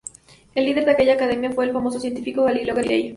El líder de aquella academia fue el famoso científico Galileo Galilei.